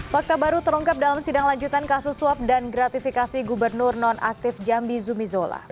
fakta baru terungkap dalam sidang lanjutan kasus swab dan gratifikasi gubernur non aktif jambi zumizola